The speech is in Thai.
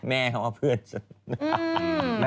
แม่เขาว่าเพื่อนฉัน